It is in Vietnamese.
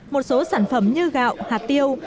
một số sản phẩm như gạo hạt tiêu